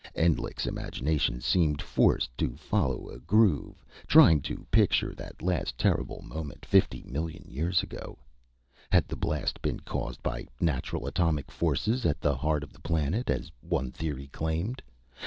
Endlich's imagination seemed forced to follow a groove, trying to picture that last terrible moment, fifty million years ago. Had the blast been caused by natural atomic forces at the heart of the planet, as one theory claimed?